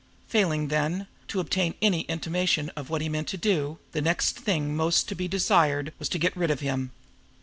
Failing, then, to obtain any intimation of what he meant to do, the next thing most to be desired was to get rid of him.